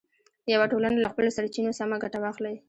یوه ټولنه له خپلو سرچینو سمه ګټه واخلي.